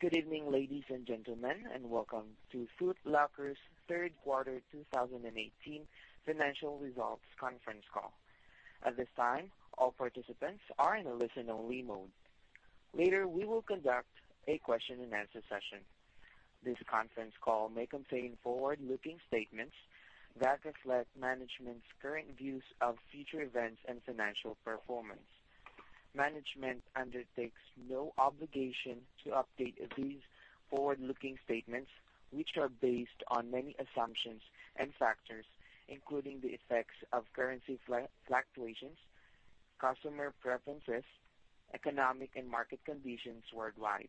Good evening, ladies and gentlemen. Welcome to Foot Locker's third quarter 2018 financial results conference call. At this time, all participants are in a listen only mode. Later, we will conduct a question and answer session. This conference call may contain forward-looking statements that reflect management's current views of future events and financial performance. Management undertakes no obligation to update these forward-looking statements, which are based on many assumptions and factors, including the effects of currency fluctuations, customer preferences, economic and market conditions worldwide,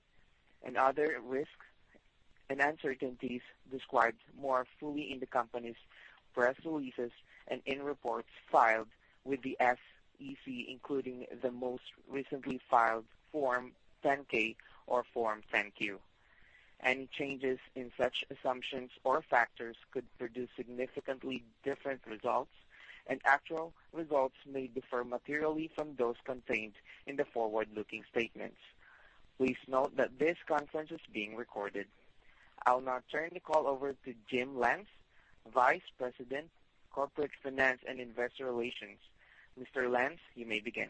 and other risks and uncertainties described more fully in the company's press releases and in reports filed with the SEC, including the most recently filed Form 10-K or Form 10-Q. Any changes in such assumptions or factors could produce significantly different results. Actual results may differ materially from those contained in the forward-looking statements. Please note that this conference is being recorded. I'll now turn the call over to Jim Lance, Vice President, Corporate Finance and Investor Relations. Mr. Lance, you may begin.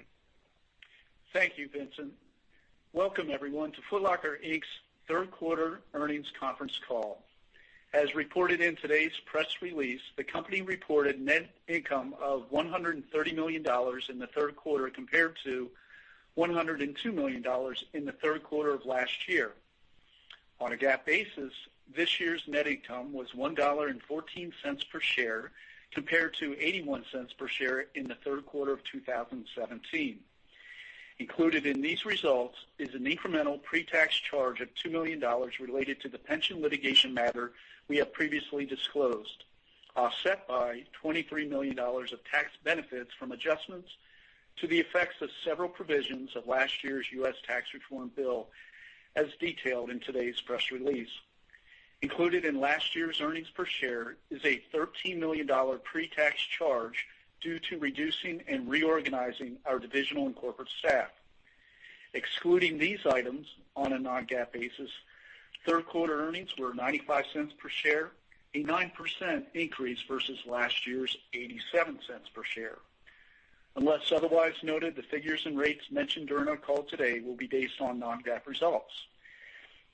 Thank you, Vincent. Welcome, everyone, to Foot Locker, Inc.'s third quarter earnings conference call. As reported in today's press release, the company reported net income of $130 million in the third quarter, compared to $102 million in the third quarter of last year. On a GAAP basis, this year's net income was $1.14 per share, compared to $0.81 per share in the third quarter of 2017. Included in these results is an incremental pre-tax charge of $2 million related to the pension litigation matter we have previously disclosed, offset by $23 million of tax benefits from adjustments to the effects of several provisions of last year's U.S. tax reform bill, as detailed in today's press release. Included in last year's earnings per share is a $13 million pre-tax charge due to reducing and reorganizing our divisional and corporate staff. Excluding these items on a non-GAAP basis, third quarter earnings were $0.95 per share, a 9% increase versus last year's $0.87 per share. Unless otherwise noted, the figures and rates mentioned during our call today will be based on non-GAAP results.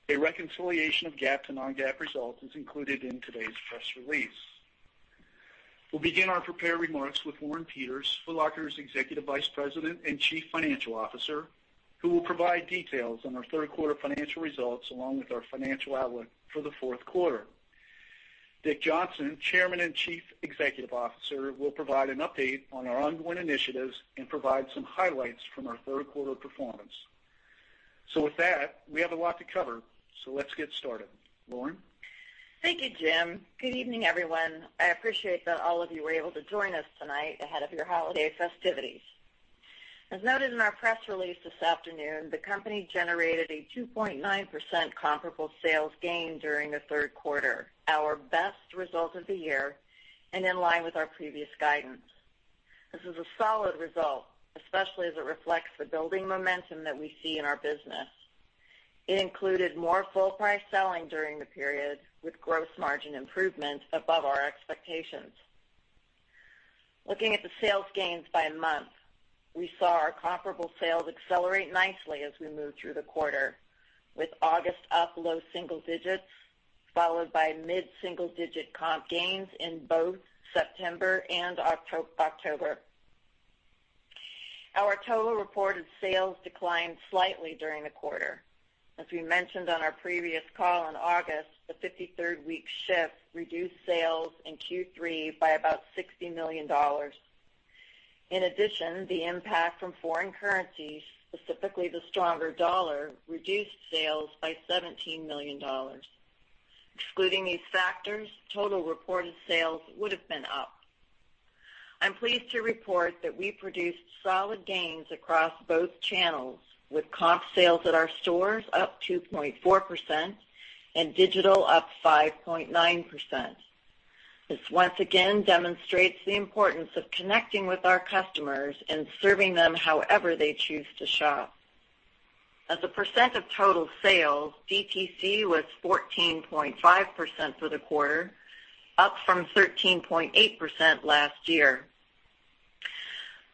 A reconciliation of GAAP to non-GAAP results is included in today's press release. We'll begin our prepared remarks with Lauren Peters, Foot Locker's Executive Vice President and Chief Financial Officer, who will provide details on our third quarter financial results, along with our financial outlook for the fourth quarter. Richard Johnson, Chairman and Chief Executive Officer, will provide an update on our ongoing initiatives and provide some highlights from our third quarter performance. With that, we have a lot to cover. Let's get started. Lauren? Thank you, Jim. Good evening, everyone. I appreciate that all of you were able to join us tonight ahead of your holiday festivities. As noted in our press release this afternoon, the company generated a 2.9% comparable sales gain during the third quarter, our best result of the year, and in line with our previous guidance. This is a solid result, especially as it reflects the building momentum that we see in our business. It included more full price selling during the period, with gross margin improvements above our expectations. Looking at the sales gains by month, we saw our comparable sales accelerate nicely as we moved through the quarter, with August up low single digits, followed by mid-single-digit comp gains in both September and October. Our total reported sales declined slightly during the quarter. We mentioned on our previous call in August, the 53rd week shift reduced sales in Q3 by about $60 million. In addition, the impact from foreign currencies, specifically the stronger dollar, reduced sales by $17 million. Excluding these factors, total reported sales would've been up. I'm pleased to report that we produced solid gains across both channels, with comp sales at our stores up 2.4% and digital up 5.9%. This once again demonstrates the importance of connecting with our customers and serving them however they choose to shop. As a percent of total sales, DTC was 14.5% for the quarter, up from 13.8% last year.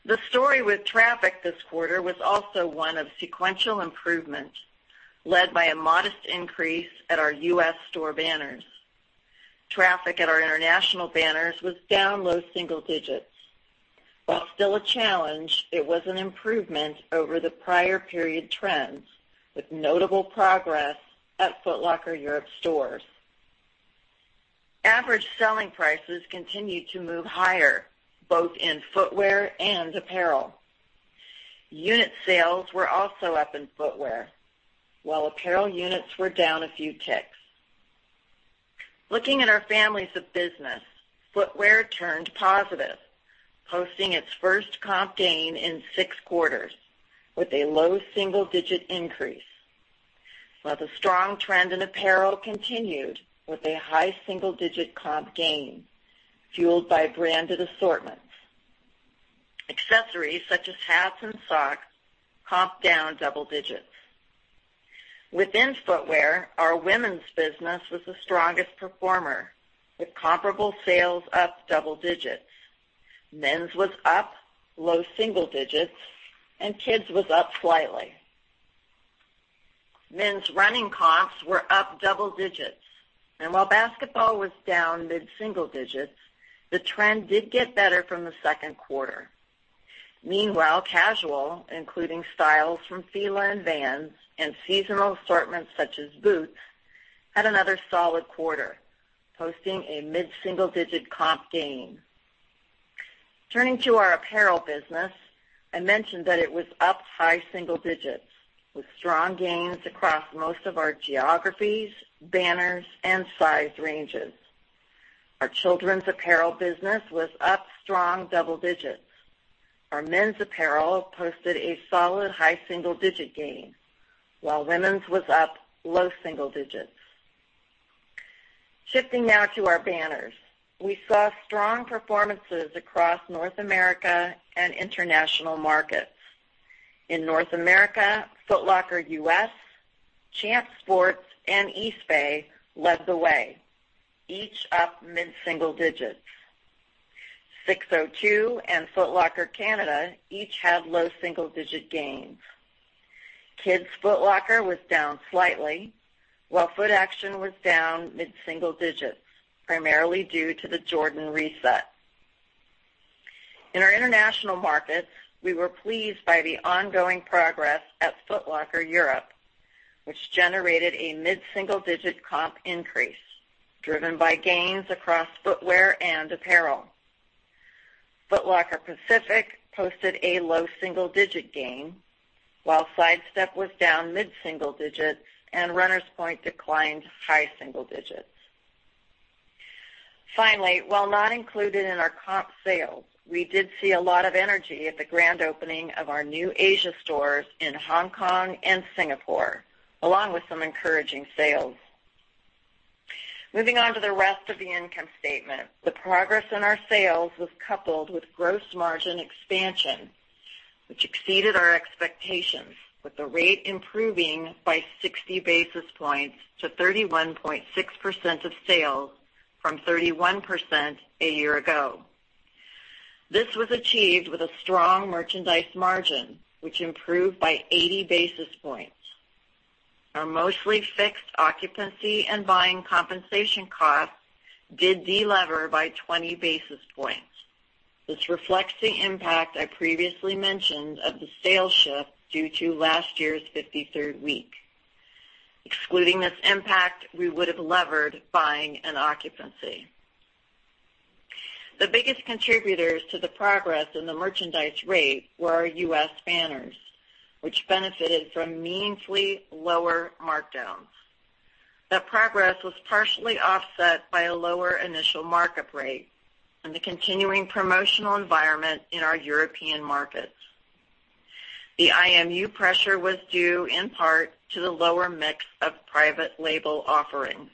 The story with traffic this quarter was also one of sequential improvement, led by a modest increase at our U.S. store banners. Traffic at our international banners was down low single digits. While still a challenge, it was an improvement over the prior period trends, with notable progress at Foot Locker Europe stores. Average selling prices continued to move higher, both in footwear and apparel. Unit sales were also up in footwear, while apparel units were down a few ticks. Looking at our families of business, footwear turned positive, posting its first comp gain in six quarters with a low single-digit increase. While the strong trend in apparel continued with a high single-digit comp gain fueled by branded assortments. Accessories such as hats and socks comp down double digits. Within footwear, our women's business was the strongest performer, with comparable sales up double digits. Men's was up low single digits, and kids was up slightly. Men's running comps were up double digits. While basketball was down mid-single digits, the trend did get better from the second quarter. Meanwhile, casual, including styles from Fila and Vans and seasonal assortments such as boots, had another solid quarter, posting a mid-single-digit comp gain. Turning to our apparel business, I mentioned that it was up high single digits, with strong gains across most of our geographies, banners, and size ranges. Our children's apparel business was up strong double digits. Our men's apparel posted a solid high single-digit gain, while women's was up low single digits. Shifting now to our banners. We saw strong performances across North America and international markets. In North America, Foot Locker U.S., Champs Sports, and Eastbay led the way, each up mid-single digits. SIX:02 and Foot Locker Canada each had low single-digit gains. Kids Foot Locker was down slightly, while Footaction was down mid-single digits, primarily due to the Jordan reset. In our international markets, we were pleased by the ongoing progress at Foot Locker Europe, which generated a mid-single-digit comp increase driven by gains across footwear and apparel. Foot Locker Pacific posted a low single-digit gain, while Sidestep was down mid-single digits, and Runners Point declined high single digits. Finally, while not included in our comp sales, we did see a lot of energy at the grand opening of our new Asia stores in Hong Kong and Singapore, along with some encouraging sales. Moving on to the rest of the income statement. The progress in our sales was coupled with gross margin expansion, which exceeded our expectations, with the rate improving by 60 basis points to 31.6% of sales from 31% a year ago. This was achieved with a strong merchandise margin, which improved by 80 basis points. Our mostly fixed occupancy and buying compensation costs did de-lever by 20 basis points. This reflects the impact I previously mentioned of the sales shift due to last year's fifty-third week. Excluding this impact, we would have levered buying and occupancy. The biggest contributors to the progress in the merchandise rate were our U.S. banners, which benefited from meaningfully lower markdowns. That progress was partially offset by a lower initial markup rate and the continuing promotional environment in our European markets. The IMU pressure was due in part to the lower mix of private label offerings.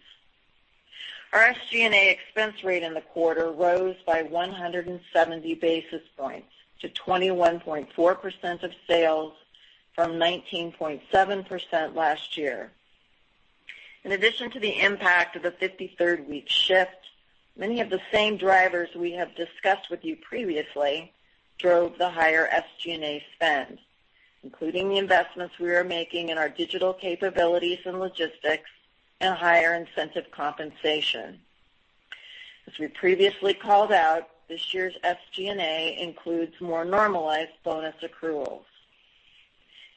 Our SG&A expense rate in the quarter rose by 170 basis points to 21.4% of sales from 19.7% last year. In addition to the impact of the fifty-third week shift, many of the same drivers we have discussed with you previously drove the higher SG&A spend, including the investments we are making in our digital capabilities and logistics and higher incentive compensation. As we previously called out, this year's SG&A includes more normalized bonus accruals.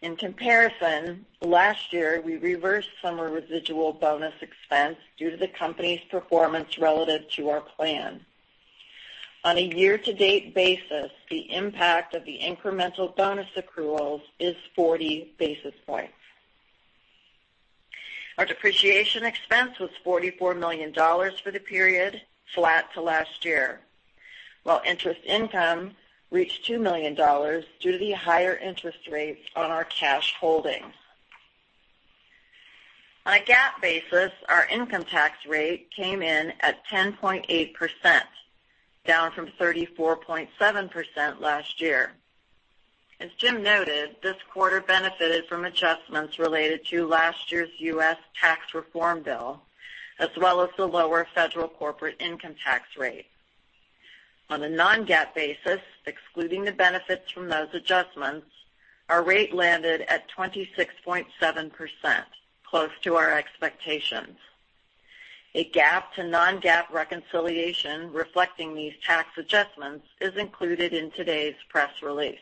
In comparison, last year, we reversed some residual bonus expense due to the company's performance relative to our plan. On a year-to-date basis, the impact of the incremental bonus accruals is 40 basis points. Our depreciation expense was $44 million for the period, flat to last year, while interest income reached $2 million due to the higher interest rates on our cash holdings. On a GAAP basis, our income tax rate came in at 10.8%, down from 34.7% last year. As Jim noted, this quarter benefited from adjustments related to last year's U.S. tax reform bill, as well as the lower federal corporate income tax rate. On a non-GAAP basis, excluding the benefits from those adjustments, our rate landed at 26.7%, close to our expectations. A GAAP to non-GAAP reconciliation reflecting these tax adjustments is included in today's press release.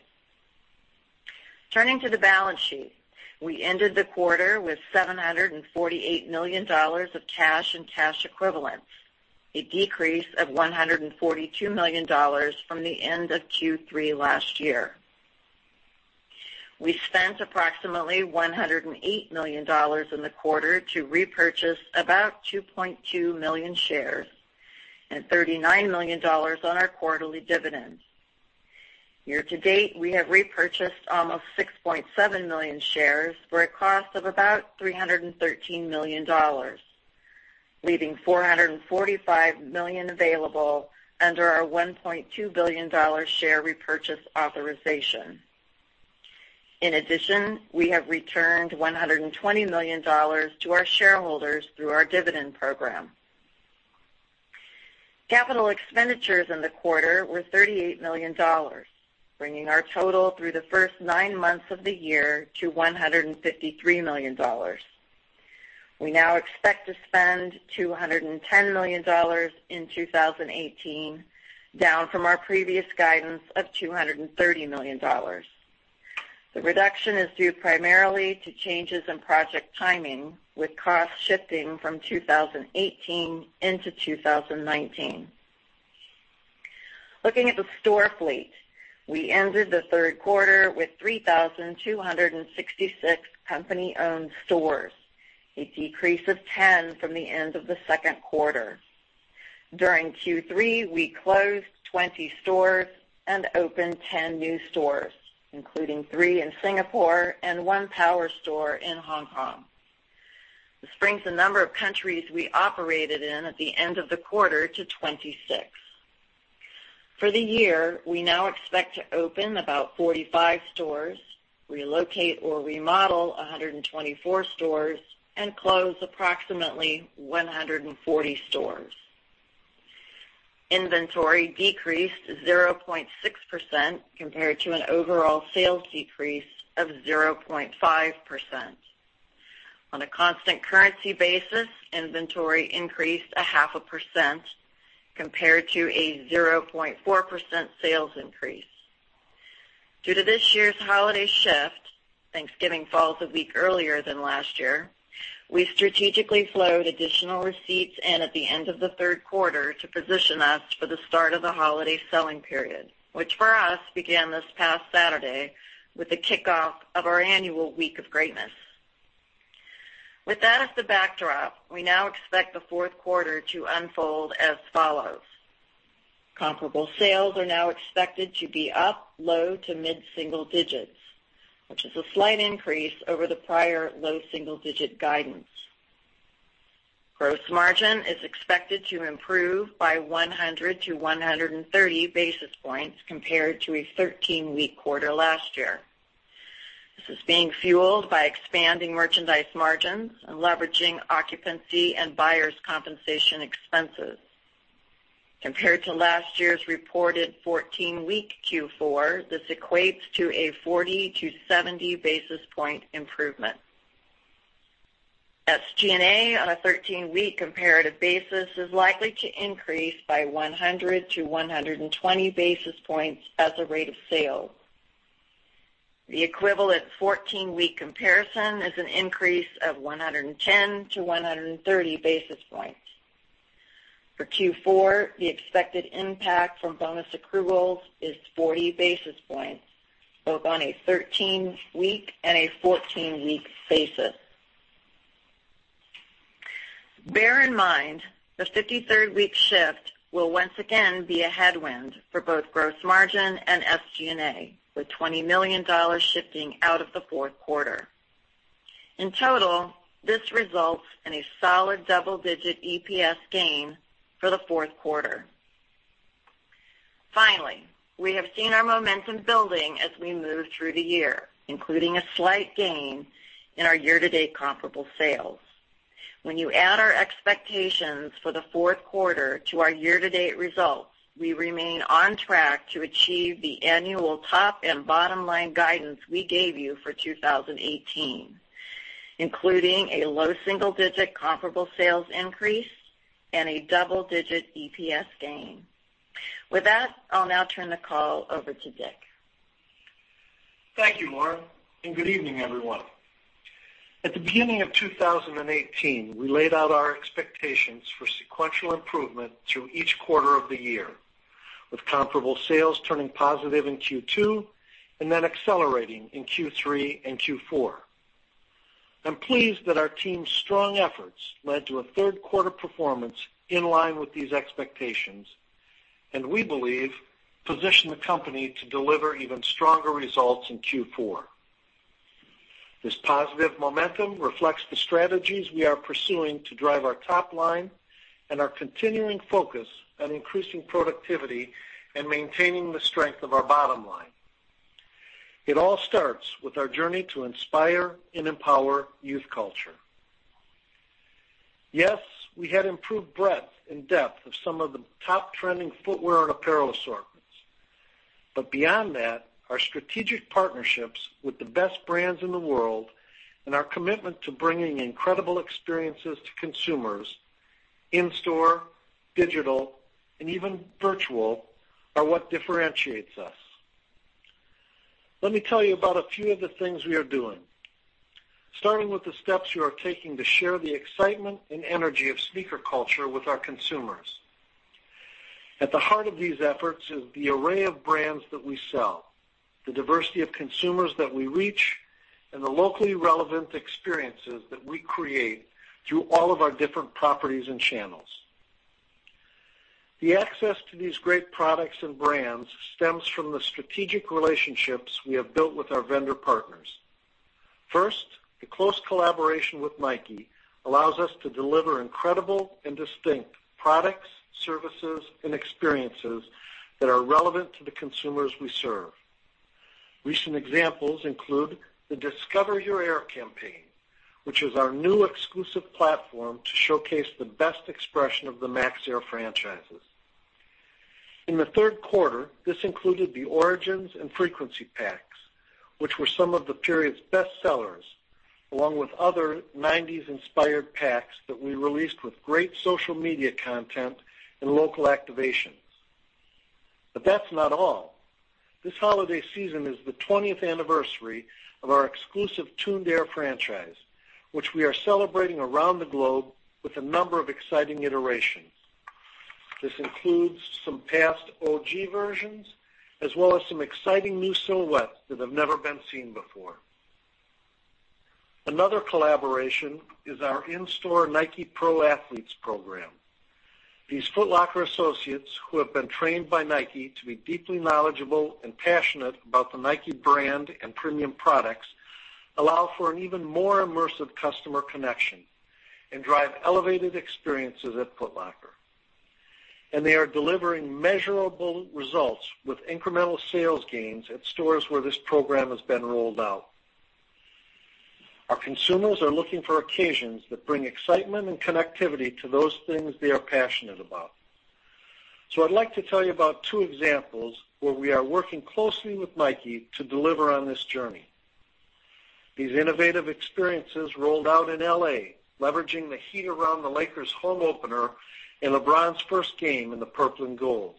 Turning to the balance sheet. We ended the quarter with $748 million of cash and cash equivalents, a decrease of $142 million from the end of Q3 last year. We spent approximately $108 million in the quarter to repurchase about 2.2 million shares and $39 million on our quarterly dividends. Year-to-date, we have repurchased almost 6.7 million shares for a cost of about $313 million. Leaving $445 million available under our $1.2 billion share repurchase authorization. We have returned $120 million to our shareholders through our dividend program. Capital expenditures in the quarter were $38 million, bringing our total through the first nine months of the year to $153 million. We now expect to spend $210 million in 2018, down from our previous guidance of $230 million. The reduction is due primarily to changes in project timing, with costs shifting from 2018 into 2019. Looking at the store fleet, we ended the third quarter with 3,266 company-owned stores, a decrease of ten from the end of the second quarter. During Q3, we closed 20 stores and opened ten new stores, including three in Singapore and one power store in Hong Kong. This brings the number of countries we operated in at the end of the quarter to 26. We now expect to open about 45 stores, relocate or remodel 124 stores, and close approximately 140 stores. Inventory decreased 0.6% compared to an overall sales decrease of 0.5%. On a constant currency basis, inventory increased 0.5% compared to a 0.4% sales increase. Due to this year's holiday shift, Thanksgiving falls a week earlier than last year, we strategically flowed additional receipts in at the end of the third quarter to position us for the start of the holiday selling period, which for us began this past Saturday with the kickoff of our annual Week of Greatness. We now expect the fourth quarter to unfold as follows. Comparable sales are now expected to be up low to mid single digits, which is a slight increase over the prior low single-digit guidance. Gross margin is expected to improve by 100 to 130 basis points compared to a 13-week quarter last year. This is being fueled by expanding merchandise margins and leveraging occupancy and buyers' compensation expenses. Compared to last year's reported 14-week Q4, this equates to a 40 to 70 basis point improvement. SG&A on a 13-week comparative basis is likely to increase by 100 to 120 basis points as a rate of sale. The equivalent 14-week comparison is an increase of 110 to 130 basis points. For Q4, the expected impact from bonus accruals is 40 basis points, both on a 13-week and a 14-week basis. Bear in mind, the 53rd week shift will once again be a headwind for both gross margin and SG&A, with $20 million shifting out of the fourth quarter. In total, this results in a solid double-digit EPS gain for the fourth quarter. We have seen our momentum building as we move through the year, including a slight gain in our year-to-date comparable sales. We remain on track to achieve the annual top and bottom-line guidance we gave you for 2018, including a low single-digit comparable sales increase and a double-digit EPS gain. I'll now turn the call over to Dick. Thank you, Lauren, and good evening, everyone. At the beginning of 2018, we laid out our expectations for sequential improvement through each quarter of the year, with comparable sales turning positive in Q2 and then accelerating in Q3 and Q4. I'm pleased that our team's strong efforts led to a third-quarter performance in line with these expectations and we believe position the company to deliver even stronger results in Q4. This positive momentum reflects the strategies we are pursuing to drive our top line and our continuing focus on increasing productivity and maintaining the strength of our bottom line. It all starts with our journey to inspire and empower youth culture. Yes, we had improved breadth and depth of some of the top trending footwear and apparel assortments. Beyond that, our strategic partnerships with the best brands in the world and our commitment to bringing incredible experiences to consumers in store, digital, and even virtual, are what differentiates us. Let me tell you about a few of the things we are doing, starting with the steps we are taking to share the excitement and energy of sneaker culture with our consumers. At the heart of these efforts is the array of brands that we sell, the diversity of consumers that we reach, and the locally relevant experiences that we create through all of our different properties and channels. The access to these great products and brands stems from the strategic relationships we have built with our vendor partners. First, the close collaboration with Nike allows us to deliver incredible and distinct products, services, and experiences that are relevant to the consumers we serve. Recent examples include the Discover Your Air campaign, which is our new exclusive platform to showcase the best expression of the Max Air franchises. In the third-quarter, this included the Origins and Frequency packs, which were some of the period's best sellers, along with other '90s-inspired packs that we released with great social media content and local activations. That's not all. This holiday season is the 20th anniversary of our exclusive Tuned Air franchise, which we are celebrating around the globe with a number of exciting iterations. This includes some past OG versions, as well as some exciting new silhouettes that have never been seen before. Another collaboration is our in-store Nike Pro Athletes program. These Foot Locker associates, who have been trained by Nike to be deeply knowledgeable and passionate about the Nike brand and premium products, allow for an even more immersive customer connection and drive elevated experiences at Foot Locker. They are delivering measurable results with incremental sales gains at stores where this program has been rolled out. Our consumers are looking for occasions that bring excitement and connectivity to those things they are passionate about. I'd like to tell you about two examples where we are working closely with Nike to deliver on this journey. These innovative experiences rolled out in L.A., leveraging the heat around the Lakers' home opener and LeBron's first game in the purple and gold.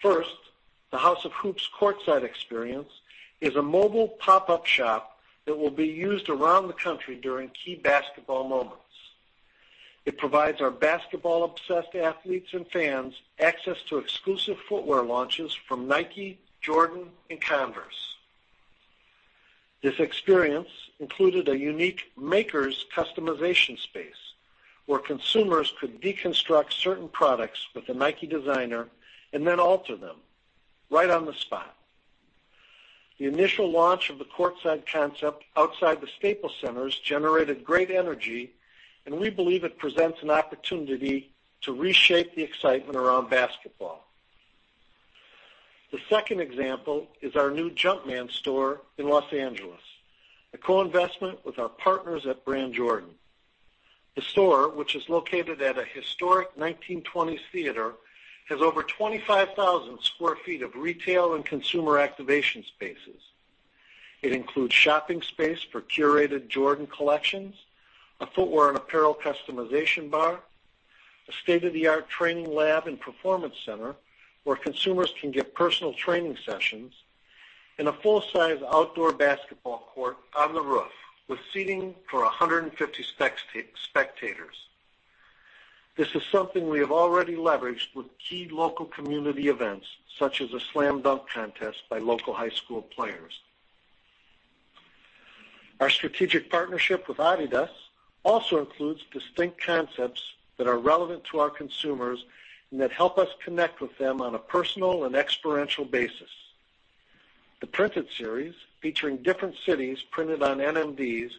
First, the House of Hoops Courtside experience is a mobile pop-up shop that will be used around the country during key basketball moments. It provides our basketball-obsessed athletes and fans access to exclusive footwear launches from Nike, Jordan, and Converse. This experience included a unique maker's customization space, where consumers could deconstruct certain products with a Nike designer and then alter them right on the spot. The initial launch of the Courtside concept outside the Staples Center has generated great energy, and we believe it presents an opportunity to reshape the excitement around basketball. The second example is our new Jumpman store in Los Angeles, a co-investment with our partners at Jordan Brand. The store, which is located at a historic 1920s theater, has over 25,000 square feet of retail and consumer activation spaces. It includes shopping space for curated Jordan collections, a footwear and apparel customization bar, a state-of-the-art training lab and performance center where consumers can get personal training sessions, and a full-size outdoor basketball court on the roof with seating for 150 spectators. This is something we have already leveraged with key local community events, such as a slam dunk contest by local high school players. Our strategic partnership with Adidas also includes distinct concepts that are relevant to our consumers and that help us connect with them on a personal and experiential basis. The Printed Series, featuring different cities printed on NMDs,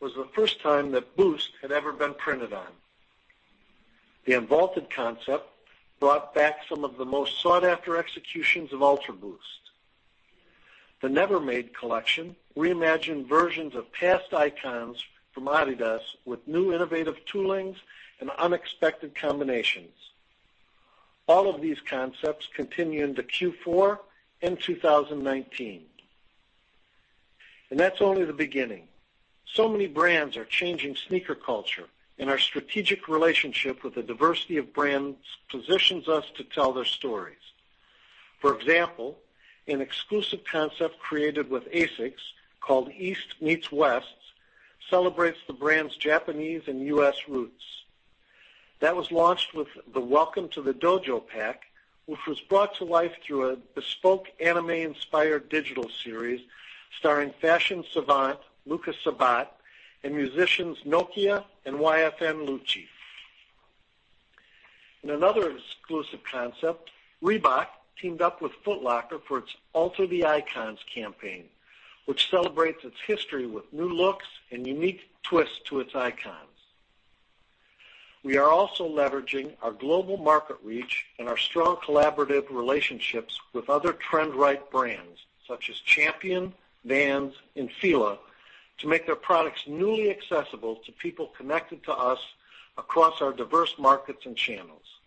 was the first time that Boost had ever been printed on. The UNVAULTED concept brought back some of the most sought-after executions of UltraBoost. The Never Made collection reimagined versions of past icons from Adidas with new innovative toolings and unexpected combinations. All of these concepts continue into Q4 in 2019. That's only the beginning. Many brands are changing sneaker culture, and our strategic relationship with a diversity of brands positions us to tell their stories. For example, an exclusive concept created with ASICS, called East Meets West, celebrates the brand's Japanese and U.S. roots. That was launched with the Welcome to the Dojo pack, which was brought to life through a bespoke anime-inspired digital series starring fashion savant, Luka Sabbat, and musicians Nakia and YFN Lucci. In another exclusive concept, Reebok teamed up with Foot Locker for its Alter the Icons campaign, which celebrates its history with new looks and unique twists to its icons. We are also leveraging our global market reach and our strong collaborative relationships with other trend-right brands such as Champion, Vans, and Fila to make their products newly accessible to people connected to us across our diverse markets and channels.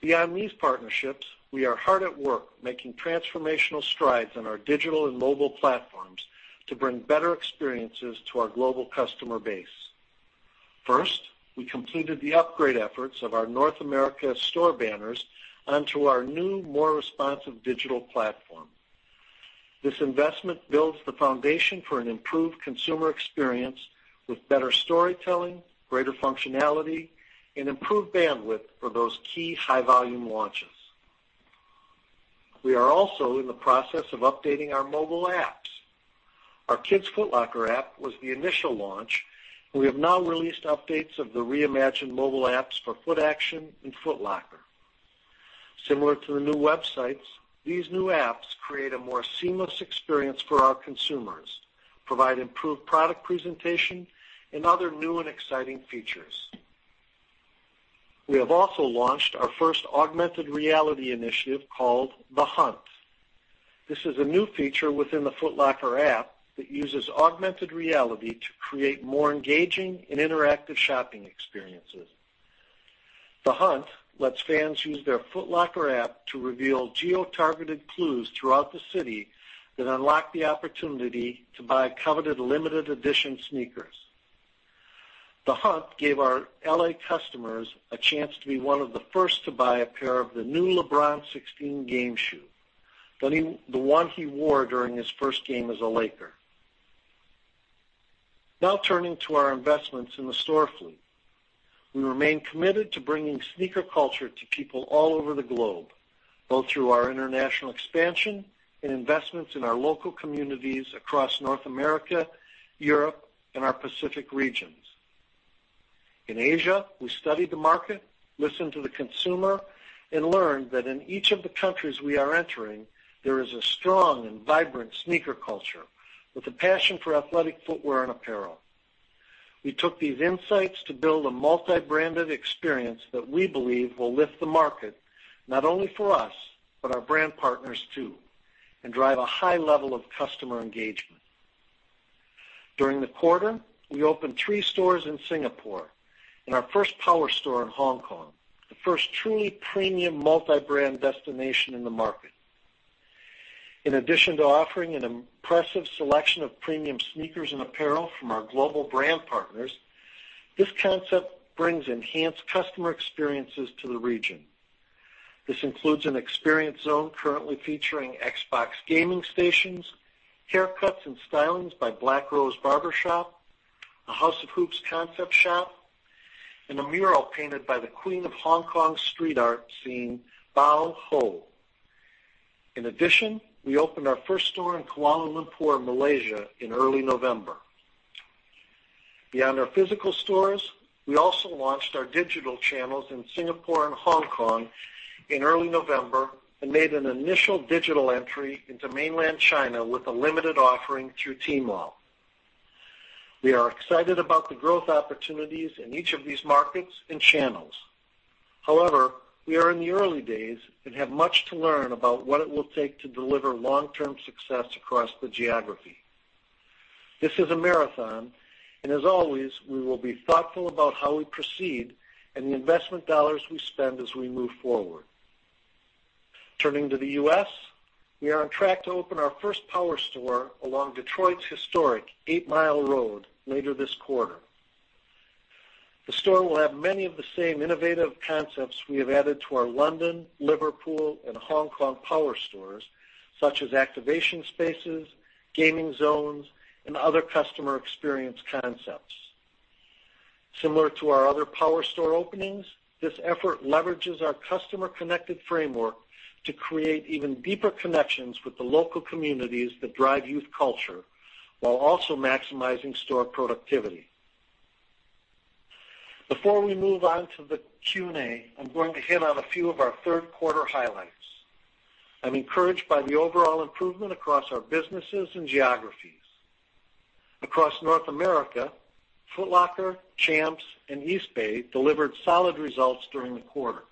Beyond these partnerships, we are hard at work making transformational strides in our digital and mobile platforms to bring better experiences to our global customer base. First, we completed the upgrade efforts of our North America store banners onto our new, more responsive digital platform. This investment builds the foundation for an improved consumer experience with better storytelling, greater functionality, and improved bandwidth for those key high-volume launches. We are also in the process of updating our mobile apps. Our Kids Foot Locker app was the initial launch. We have now released updates of the reimagined mobile apps for Footaction and Foot Locker. Similar to the new websites, these new apps create a more seamless experience for our consumers, provide improved product presentation, and other new and exciting features. We have also launched our first augmented reality initiative called The Hunt. This is a new feature within the Foot Locker app that uses augmented reality to create more engaging and interactive shopping experiences. The Hunt lets fans use their Foot Locker app to reveal geo-targeted clues throughout the city that unlock the opportunity to buy coveted limited edition sneakers. The Hunt gave our L.A. customers a chance to be one of the first to buy a pair of the new LeBron 16 game shoe, the one he wore during his first game as a Laker. Turning to our investments in the store fleet. We remain committed to bringing sneaker culture to people all over the globe, both through our international expansion and investments in our local communities across North America, Europe, and our Pacific regions. In Asia, we studied the market, listened to the consumer, and learned that in each of the countries we are entering, there is a strong and vibrant sneaker culture with a passion for athletic footwear and apparel. We took these insights to build a multi-branded experience that we believe will lift the market, not only for us, but our brand partners too, and drive a high level of customer engagement. During the quarter, we opened three stores in Singapore and our first power store in Hong Kong, the first truly premium multi-brand destination in the market. In addition to offering an impressive selection of premium sneakers and apparel from our global brand partners, this concept brings enhanced customer experiences to the region. This includes an experience zone currently featuring Xbox gaming stations, haircuts and stylings by Black Rose Barbershop, a House of Hoops concept shop, and a mural painted by the queen of Hong Kong street art scene, Bao Ho. In addition, we opened our first store in Kuala Lumpur, Malaysia in early November. Beyond our physical stores, we also launched our digital channels in Singapore and Hong Kong in early November and made an initial digital entry into mainland China with a limited offering through Tmall. We are excited about the growth opportunities in each of these markets and channels. We are in the early days and have much to learn about what it will take to deliver long-term success across the geography. This is a marathon, as always, we will be thoughtful about how we proceed and the investment dollars we spend as we move forward. Turning to the U.S., we are on track to open our first power store along Detroit's historic 8 Mile Road later this quarter. The store will have many of the same innovative concepts we have added to our London, Liverpool, and Hong Kong power stores, such as activation spaces, gaming zones, and other customer experience concepts. Similar to our other power store openings, this effort leverages our customer-connected framework to create even deeper connections with the local communities that drive youth culture while also maximizing store productivity. Before we move on to the Q&A, I'm going to hit on a few of our third quarter highlights. I'm encouraged by the overall improvement across our businesses and geographies. Across North America, Foot Locker, Champs, and Eastbay delivered solid results during the quarter.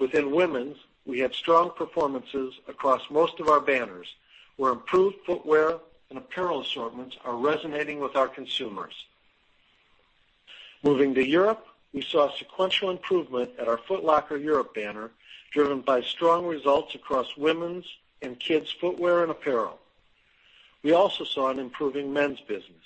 Within women's, we had strong performances across most of our banners, where improved footwear and apparel assortments are resonating with our consumers. Moving to Europe, we saw sequential improvement at our Foot Locker Europe banner, driven by strong results across women's and kids' footwear and apparel. We also saw an improving men's business.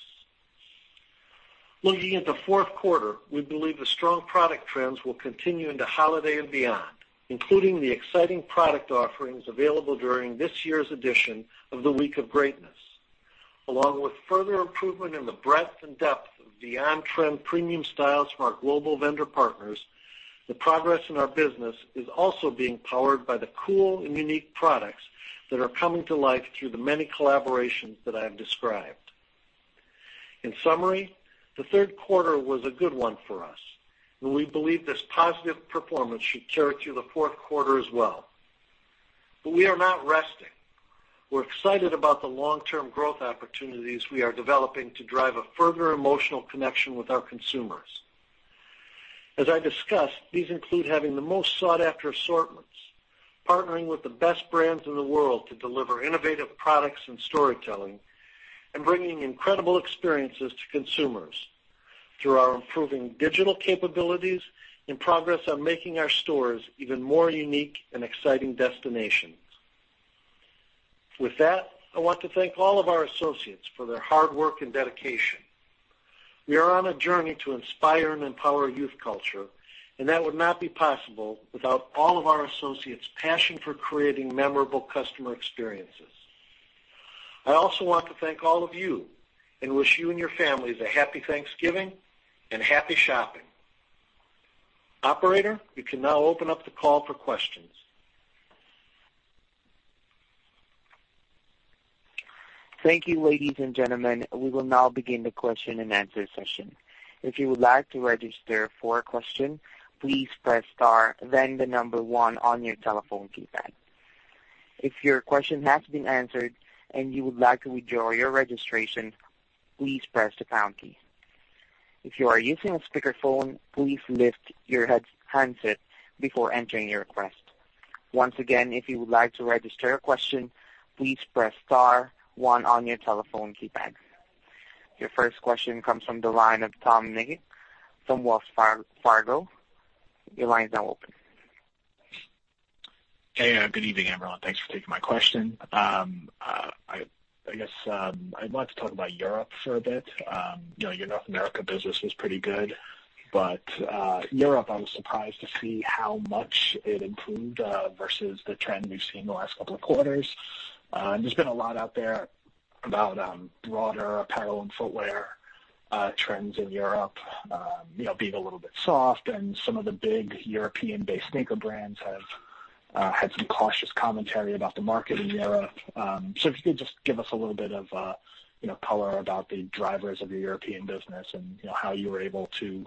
Looking at the fourth quarter, we believe the strong product trends will continue into holiday and beyond, including the exciting product offerings available during this year's edition of the Week of Greatness. Along with further improvement in the breadth and depth of the on-trend premium styles from our global vendor partners, the progress in our business is also being powered by the cool and unique products that are coming to life through the many collaborations that I have described. In summary, the third quarter was a good one for us. We believe this positive performance should carry through the fourth quarter as well. We are not resting. We're excited about the long-term growth opportunities we are developing to drive a further emotional connection with our consumers. As I discussed, these include having the most sought-after assortments, partnering with the best brands in the world to deliver innovative products and storytelling, and bringing incredible experiences to consumers through our improving digital capabilities and progress on making our stores even more unique and exciting destinations. With that, I want to thank all of our associates for their hard work and dedication. We are on a journey to inspire and empower youth culture. That would not be possible without all of our associates' passion for creating memorable customer experiences. I also want to thank all of you and wish you and your families a happy Thanksgiving and happy shopping. Operator, we can now open up the call for questions. Thank you, ladies and gentlemen. We will now begin the question and answer session. If you would like to register for a question, please press star then the number 1 on your telephone keypad. If your question has been answered and you would like to withdraw your registration, please press the pound key. If you are using a speakerphone, please lift your handset before entering your request. Once again, if you would like to register your question, please press star 1 on your telephone keypad. Your first question comes from the line of Tom Nikic from Wells Fargo. Your line is now open. Hey. Good evening, everyone. Thanks for taking my question. I guess, I'd like to talk about Europe for a bit. Your North America business was pretty good, but Europe, I was surprised to see how much it improved, versus the trend we've seen the last couple of quarters. There's been a lot out there about broader apparel and footwear trends in Europe being a little bit soft, and some of the big European-based sneaker brands have had some cautious commentary about the market in Europe. If you could just give us a little bit of color about the drivers of the European business and how you were able to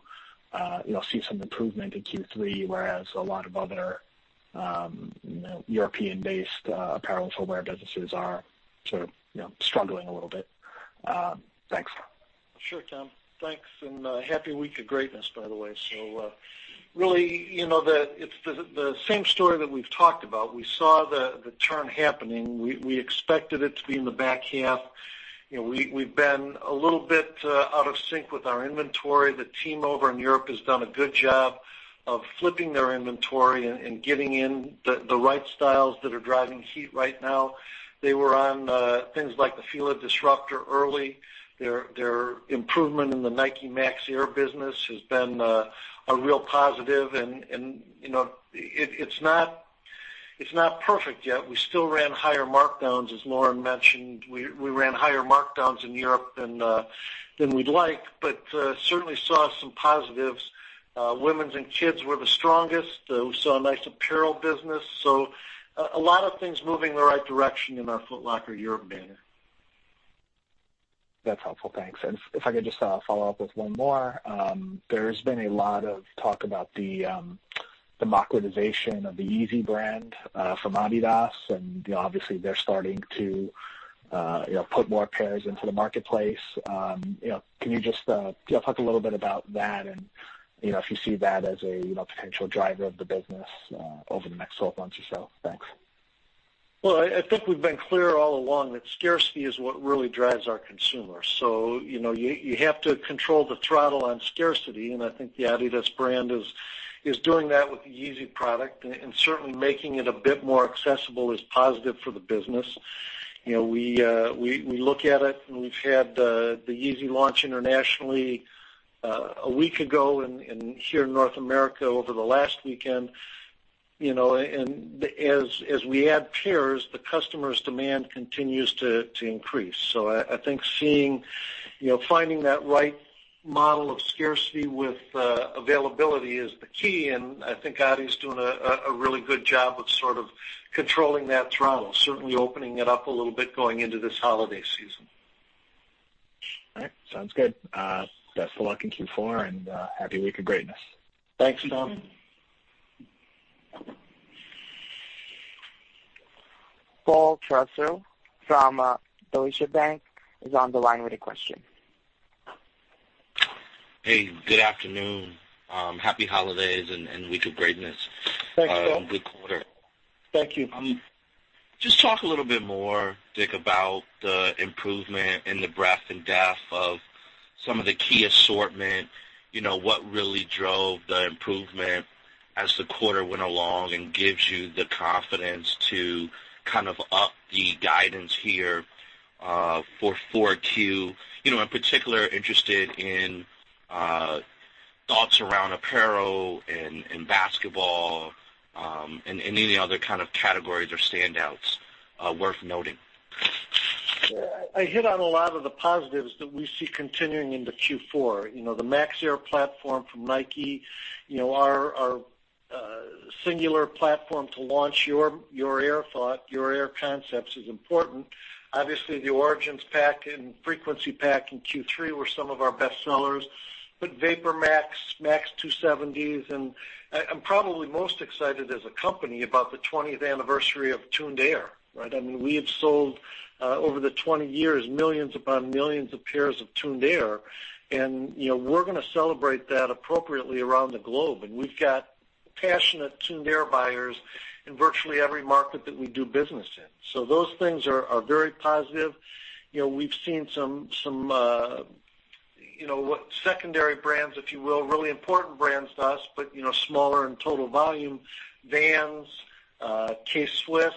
see some improvement in Q3, whereas a lot of other European-based apparel and footwear businesses are sort of struggling a little bit. Thanks. Sure, Tom. Thanks, and happy Week of Greatness, by the way. Really, it's the same story that we've talked about. We saw the turn happening. We expected it to be in the back half. We've been a little bit out of sync with our inventory. The team over in Europe has done a good job of flipping their inventory and getting in the right styles that are driving heat right now. They were on things like the Fila Disruptor early. Their improvement in the Nike Max Air business has been a real positive, and it's not perfect yet. We still ran higher markdowns, as Lauren mentioned. We ran higher markdowns in Europe than we'd like, but certainly saw some positives. Women's and kids were the strongest. We saw a nice apparel business. A lot of things moving in the right direction in our Foot Locker European. That's helpful. Thanks. If I could just follow up with one more. There's been a lot of talk about the democratization of the Yeezy brand from Adidas, and obviously they're starting to put more pairs into the marketplace. Can you just talk a little bit about that and if you see that as a potential driver of the business over the next 12 months or so? Thanks. Well, I think we've been clear all along that scarcity is what really drives our consumer. You have to control the throttle on scarcity, and I think the Adidas brand is doing that with the Yeezy product, and certainly making it a bit more accessible is positive for the business. We look at it, and we've had the Yeezy launch internationally a week ago, and here in North America over the last weekend. As we add pairs, the customers' demand continues to increase. I think finding that right model of scarcity with availability is the key, and I think Adi's doing a really good job of sort of controlling that throttle, certainly opening it up a little bit going into this holiday season. All right. Sounds good. Best of luck in Q4, and happy Week of Greatness. Thanks, Tom. Paul Trussell from Deutsche Bank is on the line with a question. Hey, good afternoon. Happy holidays and Week of Greatness. Thanks, Paul. Good quarter. Thank you. Just talk a little bit more, Dick, about the improvement in the breadth and depth of some of the key assortment. What really drove the improvement as the quarter went along and gives you the confidence to kind of up the guidance here for 4Q? In particular, interested in thoughts around apparel and basketball, and any other kind of categories or standouts worth noting. I hit on a lot of the positives that we see continuing into Q4. The Max Air platform from Nike, our singular platform to launch your Air thought, your Air concepts, is important. Obviously, the Origins pack and Frequency pack in Q3 were some of our best sellers. VaporMax, Air Max 270s, and I'm probably most excited as a company about the 20th anniversary of Tuned Air, right? I mean, we have sold, over the 20 years, millions upon millions of pairs of Tuned Air, and we're going to celebrate that appropriately around the globe. We've got passionate Tuned Air buyers in virtually every market that we do business in. Those things are very positive. We've seen some secondary brands, if you will, really important brands to us, but smaller in total volume. Vans, K-Swiss,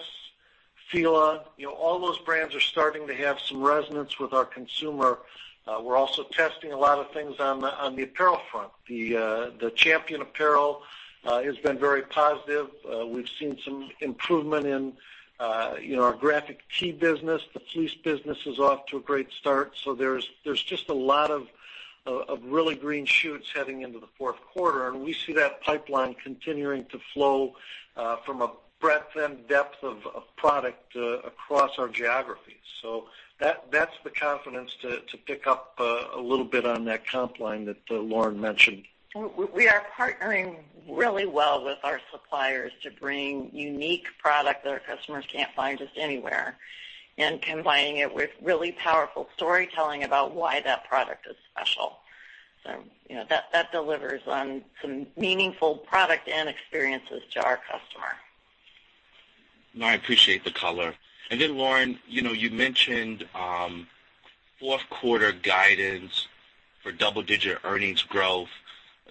Fila, all those brands are starting to have some resonance with our consumer. We're also testing a lot of things on the apparel front. The Champion apparel has been very positive. We've seen some improvement in our graphic tee business. The fleece business is off to a great start. There's just a lot of really green shoots heading into the fourth quarter, and we see that pipeline continuing to flow from a breadth and depth of product across our geographies. That's the confidence to pick up a little bit on that comp line that Lauren mentioned. We are partnering really well with our suppliers to bring unique product that our customers can't find just anywhere, and combining it with really powerful storytelling about why that product is special. That delivers on some meaningful product and experiences to our customer. No, I appreciate the color. Lauren, you mentioned fourth quarter guidance for double-digit earnings growth.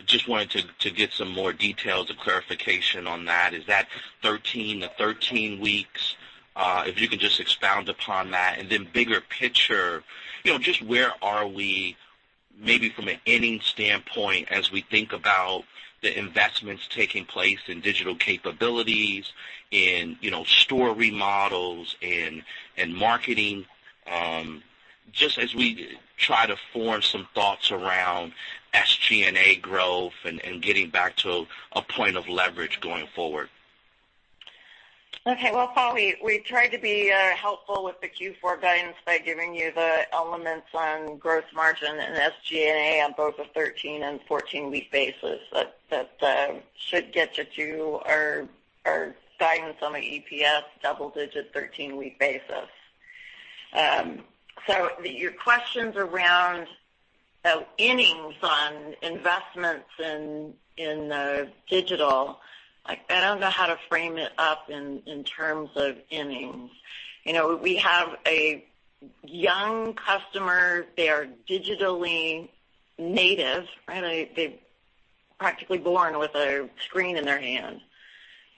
Just wanted to get some more details or clarification on that. Is that 13 weeks? If you can just expound upon that and then bigger picture, just where are we maybe from an innings standpoint as we think about the investments taking place in digital capabilities, in store remodels, in marketing, just as we try to form some thoughts around SG&A growth and getting back to a point of leverage going forward. Okay. Paul, we tried to be helpful with the Q4 guidance by giving you the elements on gross margin and SG&A on both a 13- and 14-week basis. That should get you to our guidance on the EPS double digit 13-week basis. Your questions around innings on investments in digital, I don't know how to frame it up in terms of innings. We have a young customer. They are digitally native. They're practically born with a screen in their hand.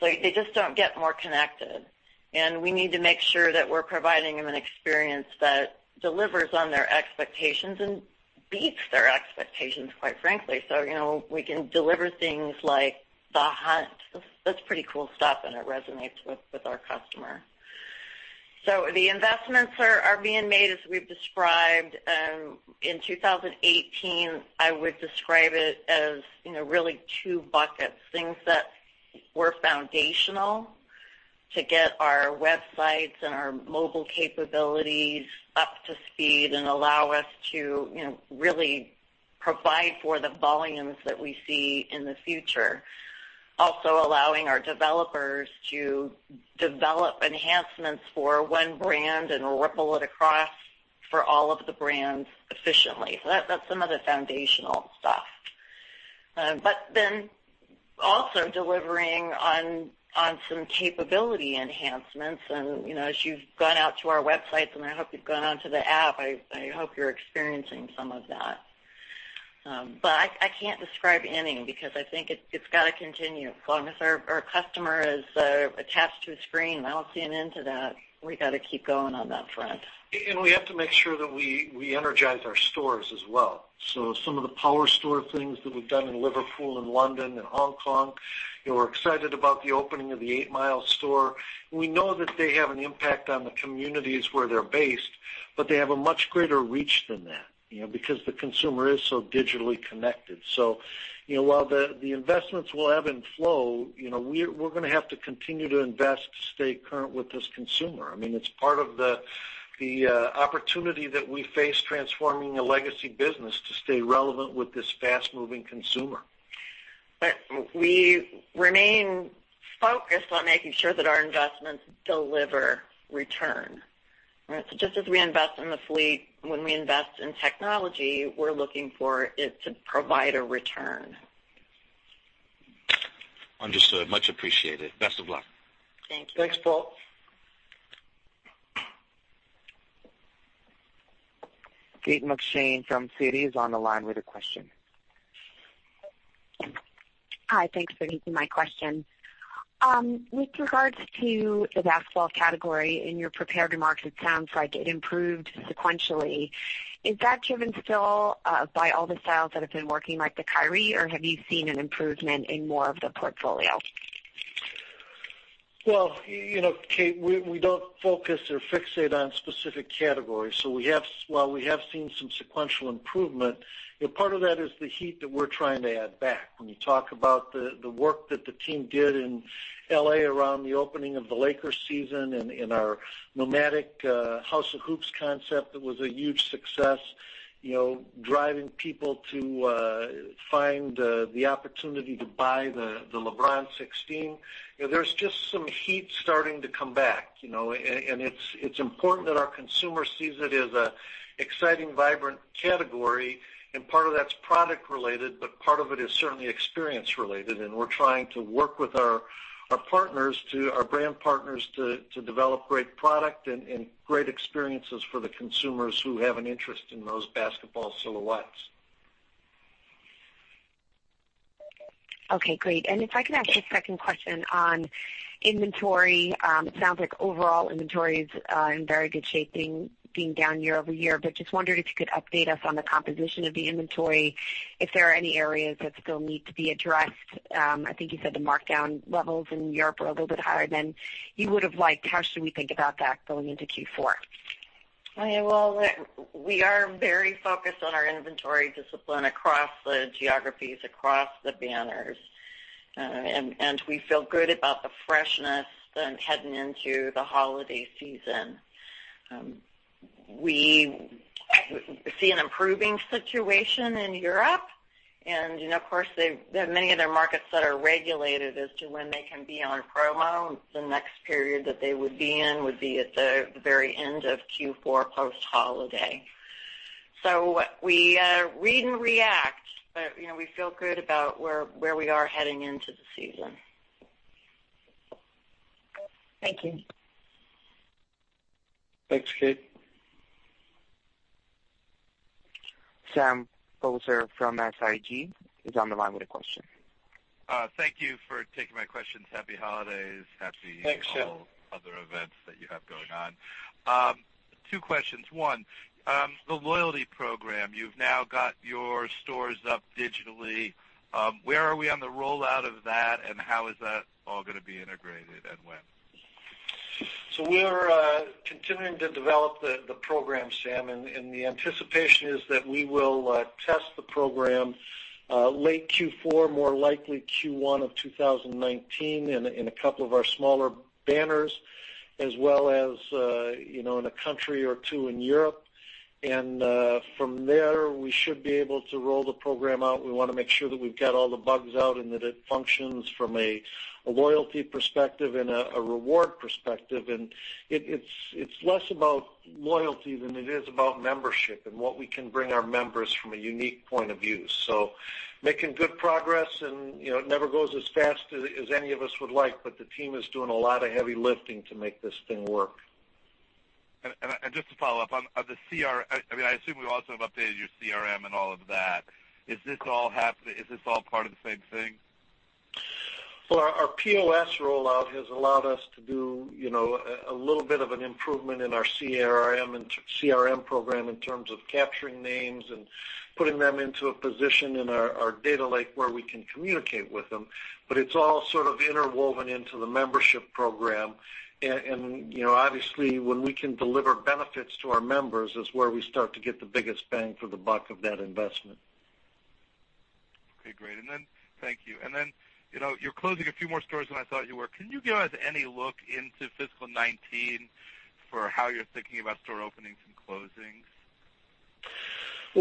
They just don't get more connected, and we need to make sure that we're providing them an experience that delivers on their expectations and beats their expectations, quite frankly. We can deliver things like The Hunt. That's pretty cool stuff, and it resonates with our customer. The investments are being made as we've described. In 2018, I would describe it as really two buckets, things that were foundational to get our websites and our mobile capabilities up to speed and allow us to really provide for the volumes that we see in the future. Also allowing our developers to develop enhancements for one brand and ripple it across for all of the brands efficiently. That's some of the foundational stuff. Also delivering on some capability enhancements and, as you've gone out to our websites, and I hope you've gone onto the app, I hope you're experiencing some of that. I can't describe inning because I think it's got to continue. As long as our customer is attached to a screen, I don't see an end to that. We got to keep going on that front. We have to make sure that we energize our stores as well. Some of the power store things that we've done in Liverpool and London and Hong Kong, we're excited about the opening of the Eight Mile store. We know that they have an impact on the communities where they're based, but they have a much greater reach than that because the consumer is so digitally connected. While the investments will ebb and flow, we're going to have to continue to invest to stay current with this consumer. I mean, it's part of the opportunity that we face transforming a legacy business to stay relevant with this fast-moving consumer. We remain focused on making sure that our investments deliver return. Just as we invest in the fleet, when we invest in technology, we're looking for it to provide a return. Understood. Much appreciated. Best of luck. Thank you. Thanks, Paul. Kate McShane from Citi is on the line with a question. Hi. Thanks for taking my question. With regards to the basketball category, in your prepared remarks, it sounds like it improved sequentially. Is that driven still by all the styles that have been working, like the Kyrie, or have you seen an improvement in more of the portfolio? Well, Kate, we don't focus or fixate on specific categories. While we have seen some sequential improvement, part of that is the heat that we're trying to add back. When you talk about the work that the team did in L.A. around the opening of the Lakers season and in our nomadic House of Hoops concept that was a huge success, driving people to find the opportunity to buy the LeBron 16. There's just some heat starting to come back, and it's important that our consumer sees it as an exciting, vibrant category, and part of that's product related, but part of it is certainly experience related, and we're trying to work with our brand partners to develop great product and great experiences for the consumers who have an interest in those basketball silhouettes. Okay, great. If I could ask a second question on inventory. It sounds like overall inventory is in very good shape being down year-over-year. Just wondered if you could update us on the composition of the inventory, if there are any areas that still need to be addressed. I think you said the markdown levels in Europe were a little bit higher than you would have liked. How should we think about that going into Q4? Well, we are very focused on our inventory discipline across the geographies, across the banners. We feel good about the freshness heading into the holiday season. We see an improving situation in Europe. Of course, many of their markets that are regulated as to when they can be on promo, the next period that they would be in would be at the very end of Q4 post-holiday. We read and react, but we feel good about where we are heading into the season. Thank you. Thanks, Kate. Sam Poser from Susquehanna is on the line with a question. Thank you for taking my questions. Happy holidays. Thanks, Sam. Happy all other events that you have going on. Two questions. One, the loyalty program. You've now got your stores up digitally. Where are we on the rollout of that, and how is that all going to be integrated, and when? We're continuing to develop the program, Sam, and the anticipation is that we will test the program late Q4, more likely Q1 of 2019 in a couple of our smaller banners, as well as in a country or two in Europe. From there, we should be able to roll the program out. We want to make sure that we've got all the bugs out and that it functions from a loyalty perspective and a reward perspective. It's less about loyalty than it is about membership and what we can bring our members from a unique point of view. Making good progress and it never goes as fast as any of us would like, but the team is doing a lot of heavy lifting to make this thing work. Just to follow up. I assume you also have updated your CRM and all of that. Is this all part of the same thing? our POS rollout has allowed us to do a little bit of an improvement in our CRM program in terms of capturing names and putting them into a position in our data lake where we can communicate with them. It's all sort of interwoven into the membership program. Obviously, when we can deliver benefits to our members is where we start to get the biggest bang for the buck of that investment. Okay, great. Thank you. You're closing a few more stores than I thought you were. Can you give us any look into fiscal 2019 for how you're thinking about store openings and closings?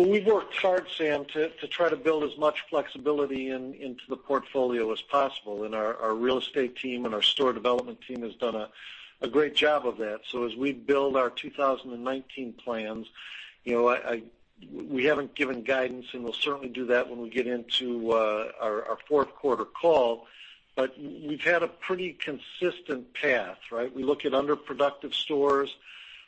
We've worked hard, Sam, to try to build as much flexibility into the portfolio as possible. Our real estate team and our store development team has done a great job of that. As we build our 2019 plans, we haven't given guidance, and we'll certainly do that when we get into our fourth quarter call. We've had a pretty consistent path, right? We look at underproductive stores,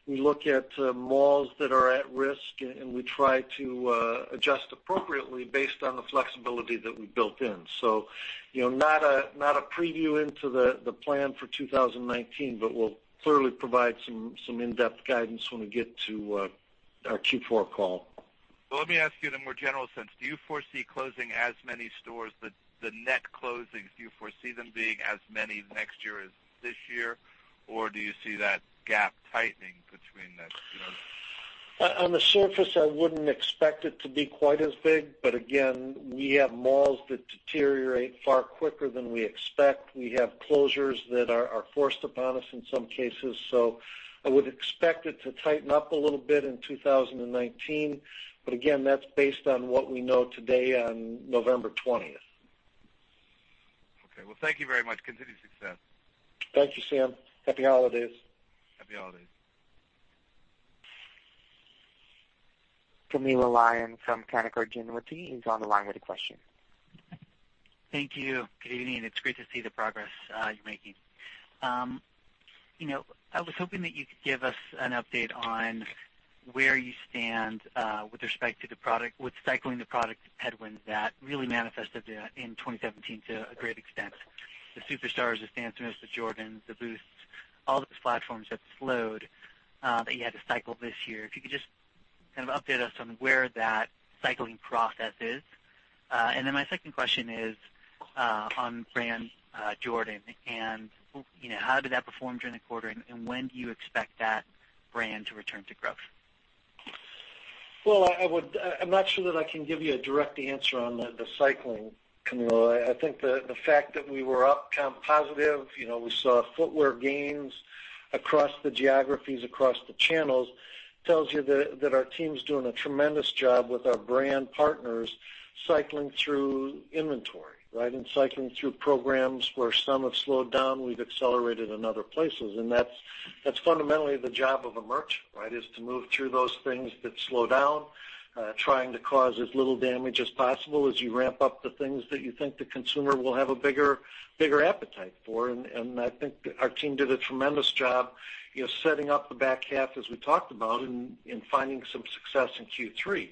we look at malls that are at risk, and we try to adjust appropriately based on the flexibility that we built in. Not a preview into the plan for 2019, but we'll clearly provide some in-depth guidance when we get to our Q4 call. Let me ask you in a more general sense. Do you foresee closing as many stores, the net closings, do you foresee them being as many next year as this year? Do you see that gap tightening between the- On the surface, I wouldn't expect it to be quite as big. Again, we have malls that deteriorate far quicker than we expect. We have closures that are forced upon us in some cases. I would expect it to tighten up a little bit in 2019. Again, that's based on what we know today on November 20th. Okay. Well, thank you very much. Continued success. Thank you, Sam. Happy holidays. Happy holidays. Camilo Lyon from Canaccord Genuity is on the line with a question. Thank you. Good evening. It's great to see the progress you're making. I was hoping that you could give us an update on where you stand with respect to the product, with cycling the product headwinds that really manifested in 2017 to a great extent. The Superstar, the Stan Smith, the Jordans, the Boost, all those platforms that slowed that you had to cycle this year. If you could just kind of update us on where that cycling process is. My second question is on brand Jordan, how did that perform during the quarter, and when do you expect that brand to return to growth? Well, I'm not sure that I can give you a direct answer on the cycling, Camilo. I think the fact that we were up comp positive, we saw footwear gains across the geographies, across the channels, tells you that our team's doing a tremendous job with our brand partners cycling through inventory, right? Cycling through programs where some have slowed down, we've accelerated in other places. That's fundamentally the job of a merchant, right? Is to move through those things that slow down, trying to cause as little damage as possible as you ramp up the things that you think the consumer will have a bigger appetite for. I think our team did a tremendous job setting up the back half as we talked about and finding some success in Q3.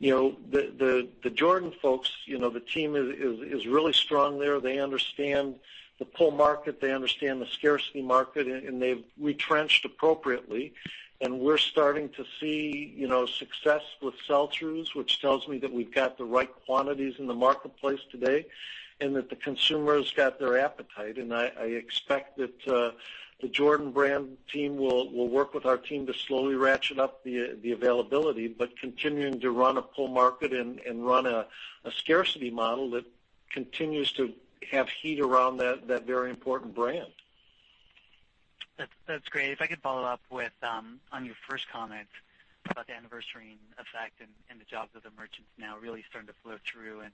The Jordan folks, the team is really strong there. They understand the pull market, they understand the scarcity market, they've retrenched appropriately. We're starting to see success with sell-throughs, which tells me that we've got the right quantities in the marketplace today, that the consumer's got their appetite. I expect that the Jordan Brand team will work with our team to slowly ratchet up the availability, but continuing to run a pull market and run a scarcity model that continues to have heat around that very important brand. That's great. If I could follow up on your first comment about the anniversarying effect and the jobs that the merchants now really starting to flow through and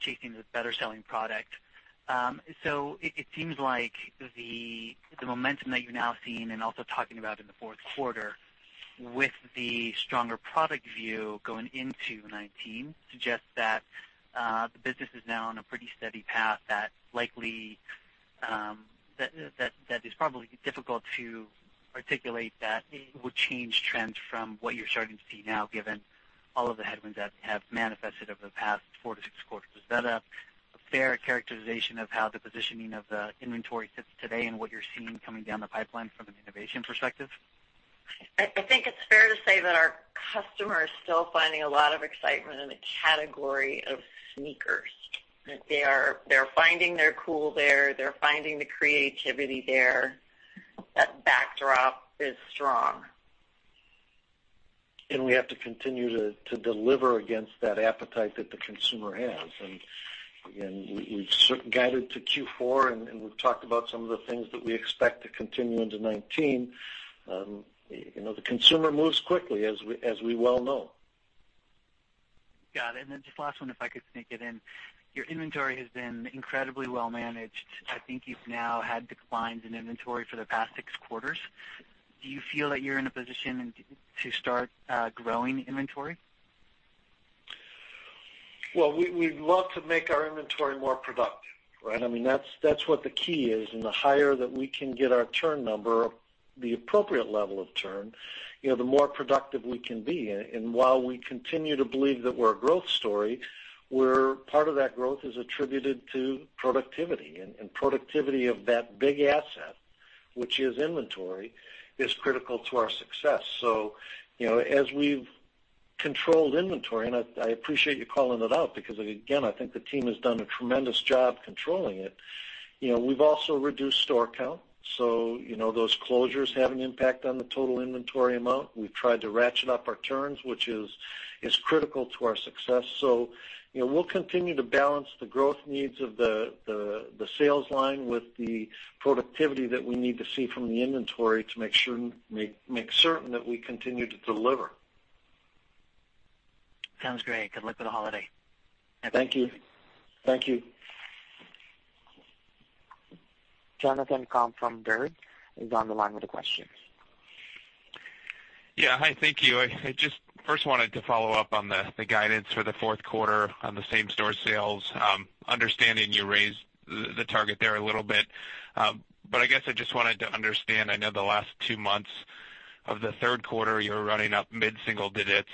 chasing the better selling product. It seems like the momentum that you're now seeing and also talking about in the fourth quarter with the stronger product view going into 2019 suggests that the business is now on a pretty steady path that is probably difficult to articulate that it would change trends from what you're starting to see now, given all of the headwinds that have manifested over the past four to six quarters. Is that a fair characterization of how the positioning of the inventory sits today and what you're seeing coming down the pipeline from an innovation perspective? I think it's fair to say that our customers are still finding a lot of excitement in the category of sneakers. That they're finding their cool there. They're finding the creativity there. That backdrop is strong. We have to continue to deliver against that appetite that the consumer has. Again, we've guided to Q4, and we've talked about some of the things that we expect to continue into 2019. The consumer moves quickly, as we well know. Got it. Just last one, if I could sneak it in. Your inventory has been incredibly well managed. I think you've now had declines in inventory for the past six quarters. Do you feel that you're in a position to start growing inventory? Well, we'd love to make our inventory more productive, right? That's what the key is. The higher that we can get our turn number, the appropriate level of turn, the more productive we can be. While we continue to believe that we're a growth story, where part of that growth is attributed to productivity. Productivity of that big asset, which is inventory, is critical to our success. As we've controlled inventory, and I appreciate you calling it out because, again, I think the team has done a tremendous job controlling it. We've also reduced store count. Those closures have an impact on the total inventory amount. We've tried to ratchet up our turns, which is critical to our success. We'll continue to balance the growth needs of the sales line with the productivity that we need to see from the inventory to make certain that we continue to deliver. Sounds great. Good luck with the holiday. Thank you. Thank you. Jonathan Komp from Baird is on the line with a question. Yeah. Hi, thank you. I just first wanted to follow up on the guidance for the fourth quarter on the same-store sales. Understanding you raised the target there a little bit. I guess I just wanted to understand, I know the last two months of the third quarter, you were running up mid-single digits.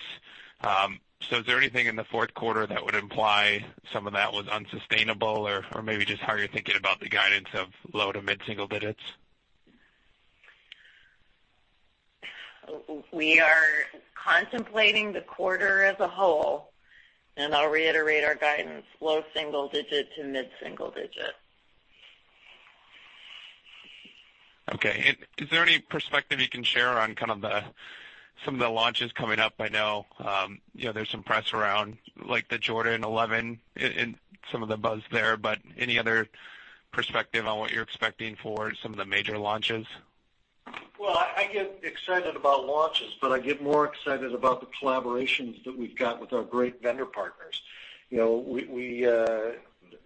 Is there anything in the fourth quarter that would imply some of that was unsustainable or maybe just how you're thinking about the guidance of low to mid-single digits? We are contemplating the quarter as a whole, I'll reiterate our guidance, low single digit to mid-single digit. Is there any perspective you can share on some of the launches coming up? I know there's some press around the Jordan 11 and some of the buzz there, any other perspective on what you're expecting for some of the major launches? Well, I get excited about launches, I get more excited about the collaborations that we've got with our great vendor partners.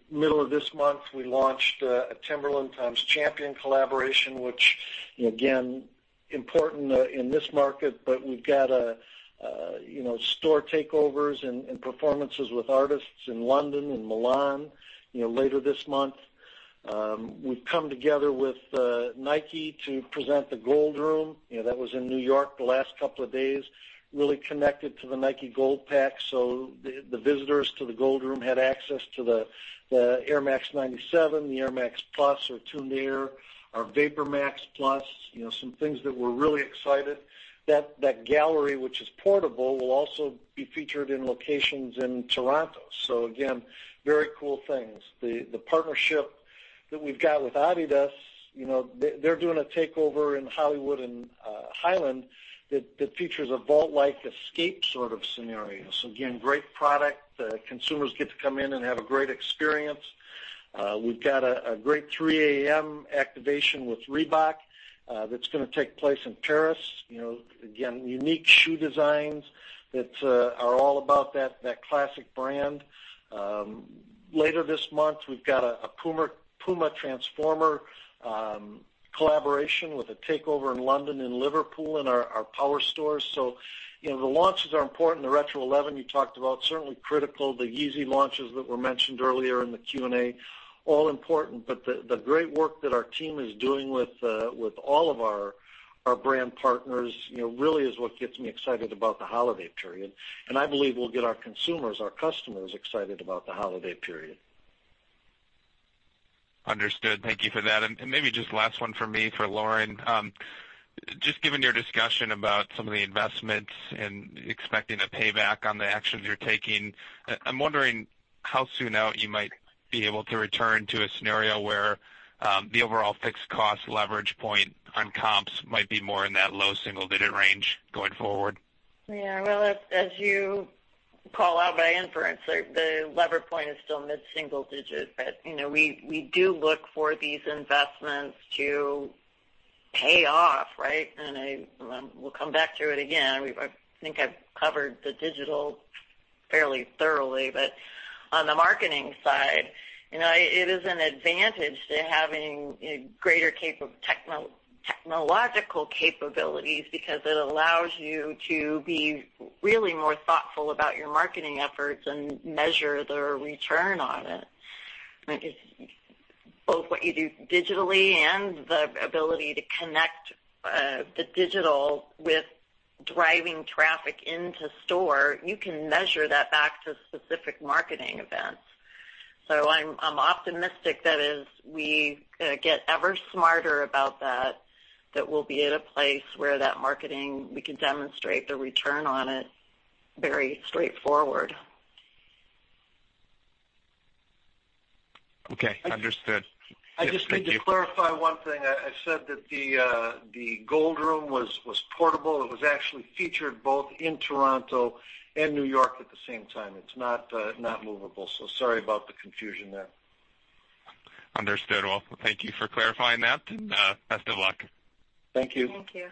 Middle of this month, we launched a Timberland times Champion collaboration, which again, important in this market, we've got store takeovers and performances with artists in London and Milan later this month. We've come together with Nike to present the Gold Room. That was in New York the last couple of days, really connected to the Nike Gold Pack. The visitors to the Gold Room had access to the Air Max 97, the Air Max Plus or Tuned Air, our VaporMax Plus, some things that we're really excited. That gallery, which is portable, will also be featured in locations in Toronto. Again, very cool things. The partnership that we've got with Adidas, they're doing a takeover in Hollywood and Highland that features a vault-like escape sort of scenario. Again, great product. The consumers get to come in and have a great experience. We've got a great 3:AM activation with Reebok that's going to take place in Paris. Again, unique shoe designs that are all about that classic brand. Later this month, we've got a Puma transformer collaboration with a takeover in London and Liverpool in our power stores. The launches are important. The Retro 11 you talked about, certainly critical. The Yeezy launches that were mentioned earlier in the Q&A, all important. The great work that our team is doing with all of our brand partners really is what gets me excited about the holiday period. I believe will get our consumers, our customers excited about the holiday period. Understood. Thank you for that. Maybe just last one from me for Lauren. Just given your discussion about some of the investments and expecting a payback on the actions you're taking, I'm wondering how soon out you might be able to return to a scenario where the overall fixed cost leverage point on comps might be more in that low single-digit range going forward. Yeah. As you call out by inference, the lever point is still mid-single digit. We do look for these investments to pay off, right? We'll come back to it again. I think I've covered the digital fairly thoroughly. On the marketing side, it is an advantage to having greater technological capabilities because it allows you to be really more thoughtful about your marketing efforts and measure the return on it. Both what you do digitally and the ability to connect the digital with driving traffic into store, you can measure that back to specific marketing events. I'm optimistic that as we get ever smarter about that we'll be at a place where that marketing, we can demonstrate the return on it very straightforward. Okay. Understood. I just need to clarify one thing. I said that the Gold Room was portable. It was actually featured both in Toronto and New York at the same time. It's not movable. Sorry about the confusion there. Understood. Thank you for clarifying that, and best of luck. Thank you. Thank you.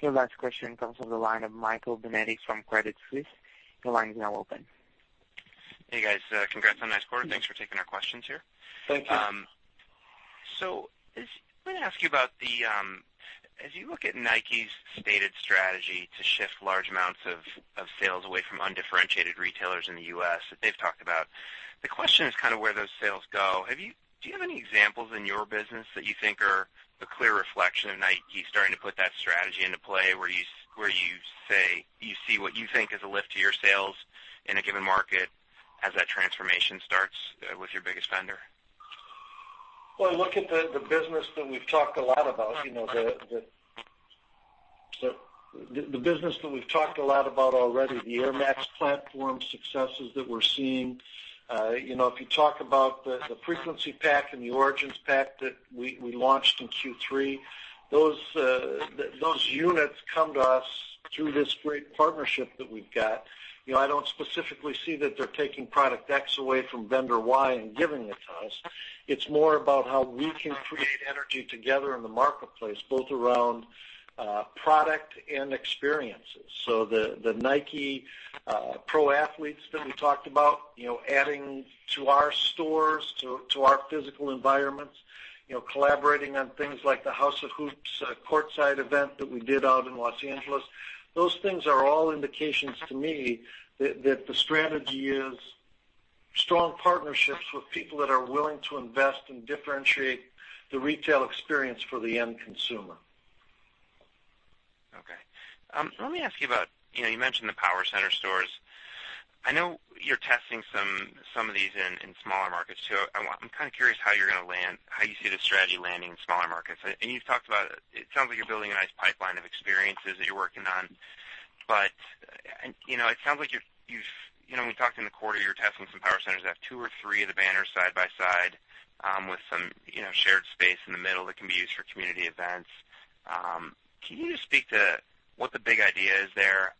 Your last question comes from the line of Michael Binetti from Credit Suisse. Your line is now open. Hey, guys. Congrats on a nice quarter. Thanks for taking our questions here. Thank you. Let me ask you about, as you look at Nike's stated strategy to shift large amounts of sales away from undifferentiated retailers in the U.S. that they've talked about, the question is kind of where those sales go. Do you have any examples in your business that you think are a clear reflection of Nike starting to put that strategy into play, where you say you see what you think is a lift to your sales in a given market as that transformation starts with your biggest vendor? Well, look at the business that we've talked a lot about already, the Air Max platform successes that we're seeing. If you talk about the Frequency Pack and the Origins Pack that we launched in Q3, those units come to us through this great partnership that we've got. I don't specifically see that they're taking product X away from vendor Y and giving it to us. It's more about how we can create energy together in the marketplace, both around product and experiences. The Nike Pro Athletes that we talked about adding to our stores, to our physical environments, collaborating on things like the House of Hoops courtside event that we did out in Los Angeles. Those things are all indications to me that the strategy is strong partnerships with people that are willing to invest and differentiate the retail experience for the end consumer. Okay. Let me ask you about, you mentioned the power center stores. I know you're testing some of these in smaller markets too. I'm kind of curious how you see the strategy landing in smaller markets. You've talked about, it sounds like you're building a nice pipeline of experiences that you're working on, but it sounds like we talked in the quarter, you're testing some power centers that have two or three of the banners side by side with some shared space in the middle that can be used for community events. Can you just speak to what the big idea is there?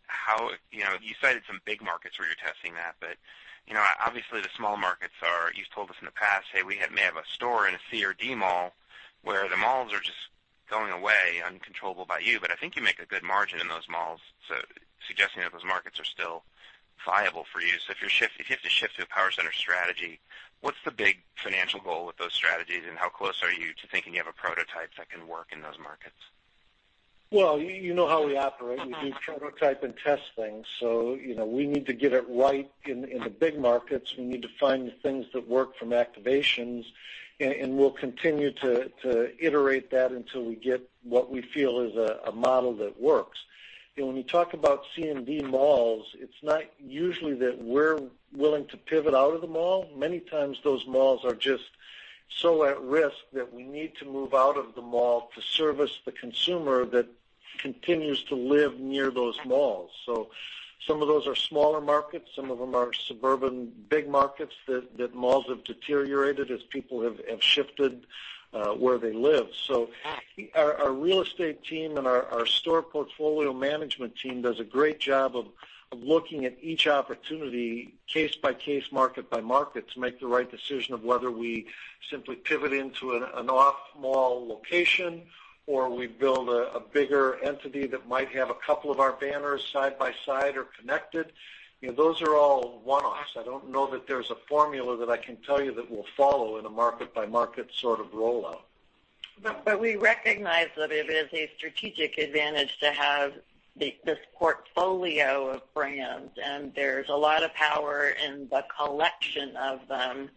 You cited some big markets where you're testing that, but obviously the small markets are, you've told us in the past, "Hey, we may have a store in a C or D mall," where the malls are just going away uncontrollable by you. I think you make a good margin in those malls, suggesting that those markets are still viable for you. If you have to shift to a power center strategy, what's the big financial goal with those strategies, and how close are you to thinking you have a prototype that can work in those markets? Well, you know how we operate. We do prototype and test things. We need to get it right in the big markets. We need to find the things that work from activations, and we'll continue to iterate that until we get what we feel is a model that works. When you talk about C and D malls, it's not usually that we're willing to pivot out of the mall. Many times, those malls are just so at risk that we need to move out of the mall to service the consumer that continues to live near those malls. Some of those are smaller markets, some of them are suburban big markets that malls have deteriorated as people have shifted where they live. Our real estate team and our store portfolio management team does a great job of looking at each opportunity case by case, market by market, to make the right decision of whether we simply pivot into an off-mall location or we build a bigger entity that might have a couple of our banners side by side or connected. Those are all one-offs. I don't know that there's a formula that I can tell you that we'll follow in a market-by-market sort of rollout. We recognize that it is a strategic advantage to have this portfolio of brands, and there's a lot of power in the collection of them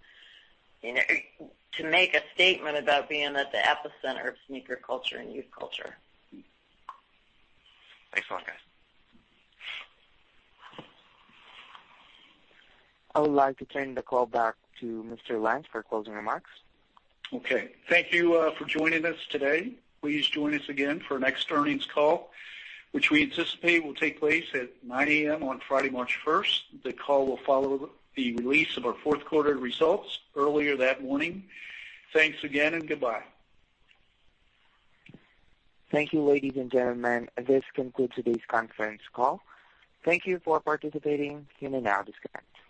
to make a statement about being at the epicenter of sneaker culture and youth culture. Thanks a lot, guys. I would like to turn the call back to Mr. Lance for closing remarks. Okay. Thank you for joining us today. Please join us again for next earnings call, which we anticipate will take place at 9:00 A.M. on Friday, March 1st. The call will follow the release of our fourth quarter results earlier that morning. Thanks again and goodbye. Thank you, ladies and gentlemen. This concludes today's conference call. Thank you for participating. You may now disconnect.